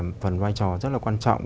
một phần vai trò rất là quan trọng